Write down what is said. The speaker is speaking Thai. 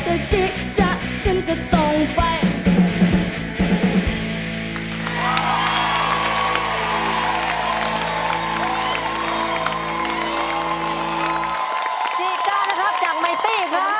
แต่จะจิ๊กจะฉันก็ต้องไป